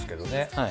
はい。